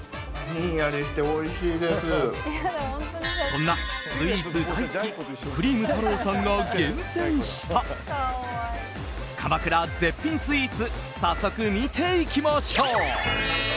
そんなスイーツ大好きクリーム太朗さんが厳選した鎌倉絶品スイーツ早速見ていきましょう。